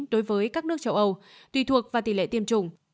đối với các nước châu âu tùy thuộc vào tỷ lệ tiêm chủng